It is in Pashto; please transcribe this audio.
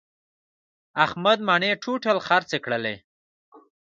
احمد مڼې ټوټل خرڅې کړلې.